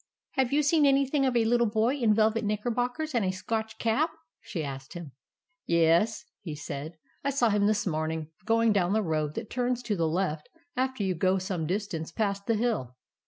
" Have you seen anything of a little boy in velvet knickerbockers and a Scotch cap ?" she asked him. " Yes," he said. " I saw him this morn ing going down the road that turns to the left after you go some distance past the hill.